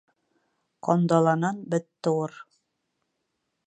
Ҡандаланан бет тыуыр.